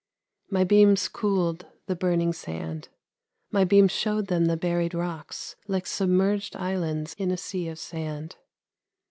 My beams cooled the burning sand, my beams showed them the buried rocks like submerged islands in a sea of sand.